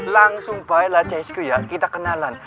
langsung pilotlah csq ya kita kenalan